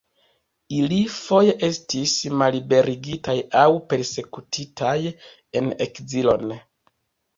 Ili foje estis malliberigitaj aŭ persekutitaj en ekzilon.